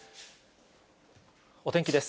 お天気です。